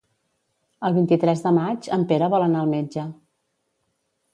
El vint-i-tres de maig en Pere vol anar al metge.